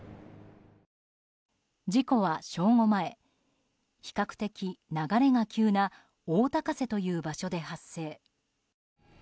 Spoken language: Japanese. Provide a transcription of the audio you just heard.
事故は正午前、比較的流れが急な大高瀬という場所で発生。